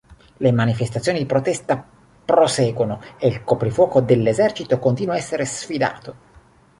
Le manifestazioni di protesta proseguono e il coprifuoco dell'esercito continua a essere sfidato.